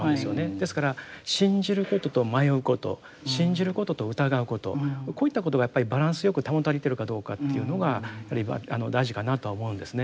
ですから信じることと迷うこと信じることと疑うことこういったことがやっぱりバランスよく保たれてるかどうかというのが大事かなとは思うんですね。